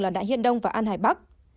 là nại hiên đông và an hải bắc